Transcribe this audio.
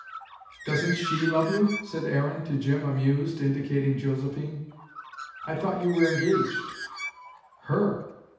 "Doesn't SHE love you?" said Aaron to Jim amused, indicating Josephine. "I thought you were engaged." "HER!"